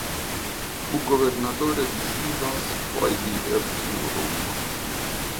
Fu governatore di Sivas poi di Erzurum.